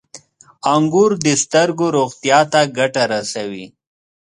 • انګور د سترګو روغتیا ته ګټه رسوي.